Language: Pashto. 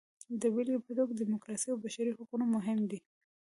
د بېلګې په توګه ډیموکراسي او بشري حقونه مهم دي.